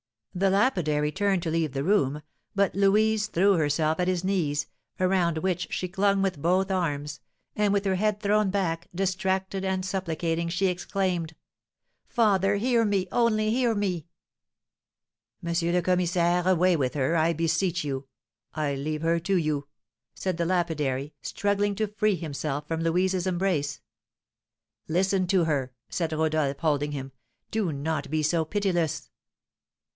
The lapidary turned to leave the room; but Louise threw herself at his knees, around which she clung with both arms; and, with her head thrown back, distracted and supplicating, she exclaimed: "Father, hear me! Only hear me!" "M. le Commissaire, away with her, I beseech you! I leave her to you," said the lapidary, struggling to free himself from Louise's embrace. "Listen to her," said Rodolph, holding him; "do not be so pitiless."